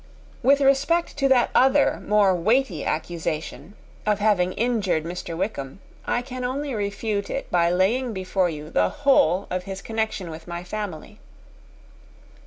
With respect to that other, more weighty accusation, of having injured Mr. Wickham, I can only refute it by laying before you the whole of his connection with my family.